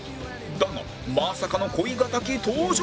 だがまさかの恋敵登場！